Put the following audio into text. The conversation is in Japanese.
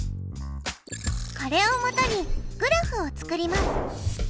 これをもとにグラフを作ります。